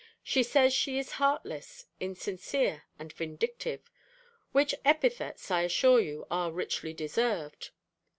She says she is heartless, insincere and vindictive, which epithets, I assure you, are richly deserved.